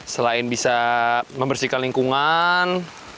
selain bisa membersihkan lingkungan